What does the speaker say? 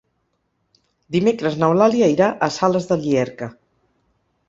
Dimecres n'Eulàlia irà a Sales de Llierca.